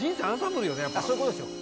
そういうことですよ。